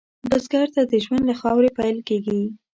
بزګر ته ژوند له خاورې پېل کېږي